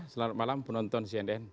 selamat malam penonton sienden